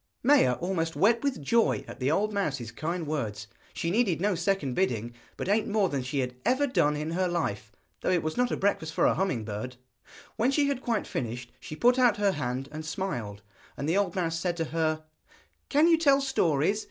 Maia almost wept with joy at the old mouse's kind words. She needed no second bidding, but ate more than she had ever done in her life, though it was not a breakfast for a humming bird! When she had quite finished she put out her hand and smiled, and the old mouse said to her: 'Can you tell stories?